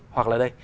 hoặc là đây